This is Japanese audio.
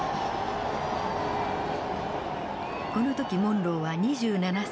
この時モンローは２７歳。